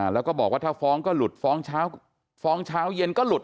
แล้วก็บอกว่าถ้าฟ้องก็หลุดฟ้องเช้าเย็นก็หลุด